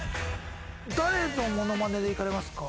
誰のモノマネでいかれますか？